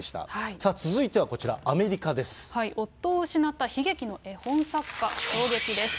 さあ、続いてはこちら、アメリカ夫を失った悲劇の絵本作家、衝撃です。